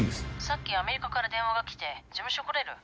さっきアメリカから電話が来て事務所来れる？